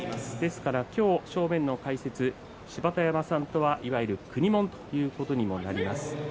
今日、正面の解説芝田山さんとはいわゆる国もんということになります。